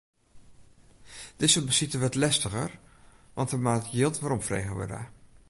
Dizze besite wurdt lestiger, want der moat jild weromfrege wurde.